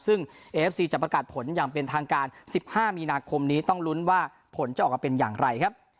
ซึ่งเอฟซีจะประกาศผลอย่างเป็นทางการ๑๕มีนาคมนี้ต้องลุ้นว่าผลจะออกมาเป็นอย่างไรครับ